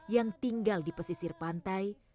yang tinggal di pesisir pantai